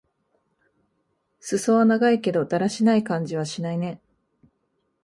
すそは長いけど、だらしない感じはしないね。